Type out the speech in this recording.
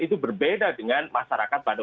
itu berbeda dengan masyarakat pada